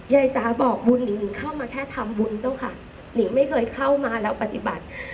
ยายจ๋าบอกบุญหิงเข้ามาแค่ทำบุญเจ้าค่ะหนิงไม่เคยเข้ามาแล้วปฏิบัติ